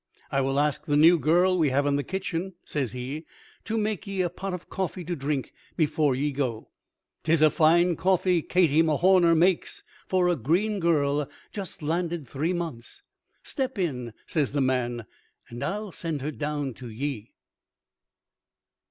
I will ask the new girl we have in the kitchen," says he, "to make ye a pot of coffee to drink before ye go. 'Tis fine coffee Katie Mahorner makes for a green girl just landed three months. Step in," says the man, "and I'll send her down to ye."